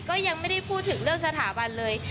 ก็ยังไม่ได้พูดถึงเรื่องสถาบันเลย